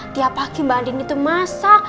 tiap pagi mbak andin itu masak